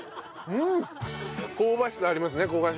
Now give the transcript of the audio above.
香ばしさありますね焦がし